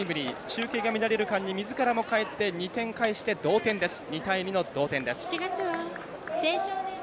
中継が乱れる間にみずからもかえって２点返して、同点です。